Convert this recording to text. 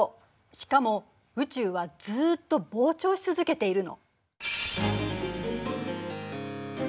しかも宇宙はずっと膨張し続けているの。